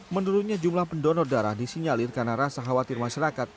menurunnya jumlah pendonor darah disinyalir karena rasa khawatir masyarakat